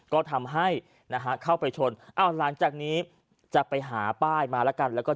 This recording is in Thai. ก็ทำให้เข้าไปชนหลังจากนี้จะไปหาป้ายมาแล้วกัน